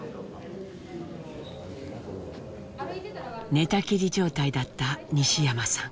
寝たきり状態だった西山さん。